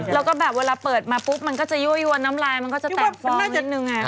แล้วก็แบบเวลาเปิดมาปุ๊บมันก็จะยั่วยวนน้ำลายมันก็จะแตกไปนิดนึง